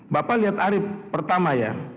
bapak lihat arief pertama ya